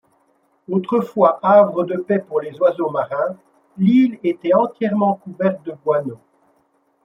Autrefois havre de paix pour les oiseaux marins, l’île était entièrement couverte de guano.